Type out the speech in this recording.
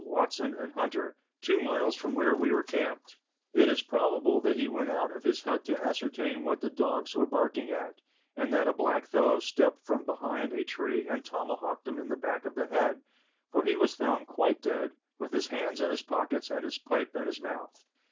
Watson and Hunter, two miles from where we were camped. It is Letters from Victorian Pioneers. 231 probable that he went out of his hut to ascertain what the dogs were barking at, and that a blackfellow stepped from behind a tree and tomahawked him in the back of the head, for he was found quite dead, with his hands in his pockets and his pipe in his mouth.